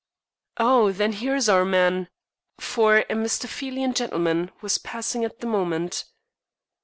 "Oh! then here's our man" for a Mephistophelian gentleman was passing at the moment.